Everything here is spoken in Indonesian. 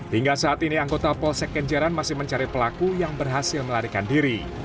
hingga saat ini anggota polsek kenjeran masih mencari pelaku yang berhasil melarikan diri